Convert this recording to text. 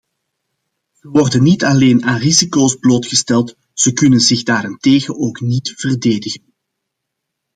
Ze worden niet alleen aan risico's blootgesteld, ze kunnen zich daartegen ook niet verdedigen.